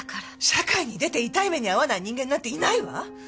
社会に出て痛い目に遭わない人間なんていないわ！